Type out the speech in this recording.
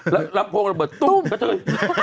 แล้วลำโพงระเบิดตู้มกระเทย